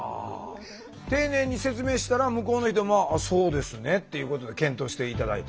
丁寧に説明したら向こうの人も「あそうですね」っていうことで検討して頂いた。